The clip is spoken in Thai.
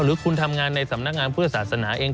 หรือคุณทำงานในสำนักงานเพื่อศาสนาเอง